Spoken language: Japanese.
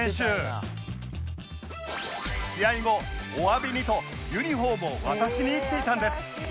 試合後お詫びにとユニホームを渡しに行っていたんです